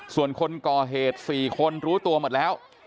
ส่วนคนก่อเหตุ๔คนรู้ตัวหมดแล้ว